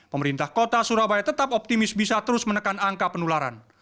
pemerintah kota surabaya tetap optimis bisa terus menekan angka penularan